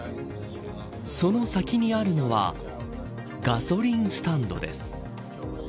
その先にあるのはガソリンスタンドです。